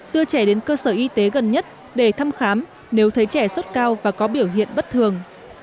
đưa trẻ đến cơ sở y tế gần nhất để thăm khám nếu thấy trẻ sốt cao và có biểu hiện bất thường